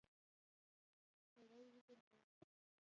سړی وګرځول.